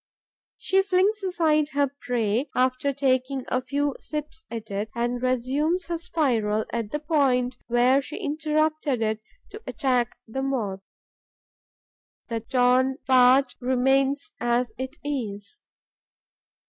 She flings aside her prey, after taking a few sips at it, and resumes her spiral at the point where she interrupted it to attack the Moth. The torn part remains as it is.